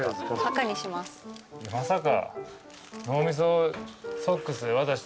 まさか。